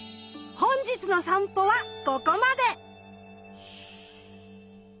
本日のさんぽはここまで！